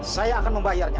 saya akan membayarnya